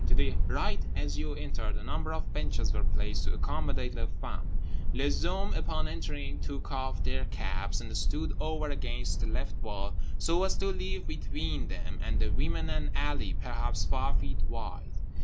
To the right as you entered a number of benches were placed to accommodate les femmes. Les hommes upon entering took off their caps and stood over against the left wall so as to leave between them and the women an alley perhaps five feet wide.